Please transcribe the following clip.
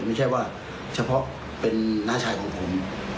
ไม่ใช่ว่าเฉพาะเป็นน้าชายของผม